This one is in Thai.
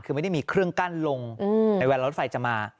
คือไม่ได้มีเครื่องกั้นลงในแวนล้อรถไฟจะมา